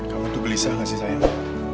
kamu tuh gelisah gak sih sayang